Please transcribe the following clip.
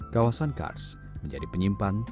kawasan kars menjadi penyimpan